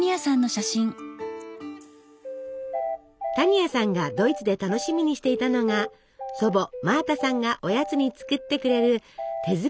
多仁亜さんがドイツで楽しみにしていたのが祖母マータさんがおやつに作ってくれる手作りのケーキでした。